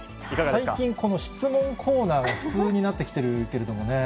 最近、この質問コーナーが普通になってきてるけれどもね。